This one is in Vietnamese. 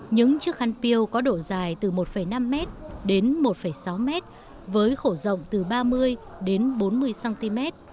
những chiếc khăn piêu có độ dài từ một năm m đến một sáu m với khổ rộng từ ba mươi đến bốn mươi cm